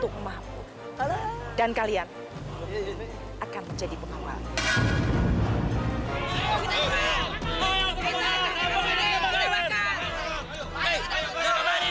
hmm kalau gede tuh